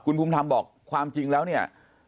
คุณภูมิทำบอกความจริงแล้วนี่